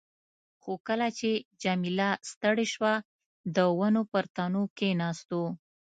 خو کله چې جميله ستړې شوه، د ونو پر تنو کښېناستو.